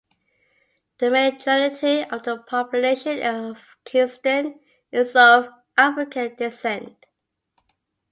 The majority of the population of Kingston is of African descent.